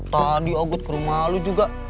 tadi ogut ke rumah lu juga